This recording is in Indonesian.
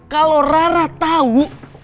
kalo rara tau